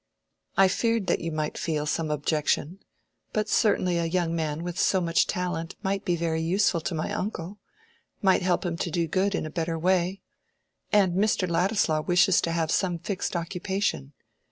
"I feared that you might feel some objection. But certainly a young man with so much talent might be very useful to my uncle—might help him to do good in a better way. And Mr. Ladislaw wishes to have some fixed occupation.